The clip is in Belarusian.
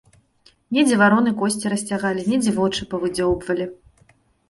Недзе вароны косці расцягалі, недзе вочы павыдзёўбвалі.